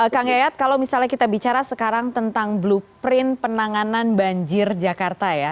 kang yayat kalau misalnya kita bicara sekarang tentang blueprint penanganan banjir jakarta ya